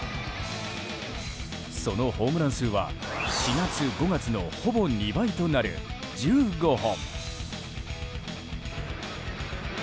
そのホームラン数は４月、５月のほぼ２倍となる１５本。